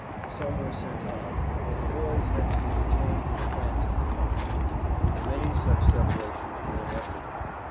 Some were sent on, but the boys had to be retained with friends in the country. Many such separations were inevitable.